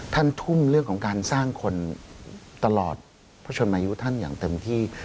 ทุ่มเรื่องของการสร้างคนตลอดพระชนมายุท่านอย่างเต็มที่